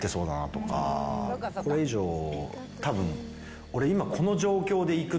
これ以上たぶん俺。